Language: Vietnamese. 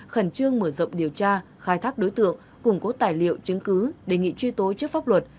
khẩn trương mở rộng điều tra khai thác đối tượng củng cố tài liệu chứng cứ đề nghị truy tố trước pháp luật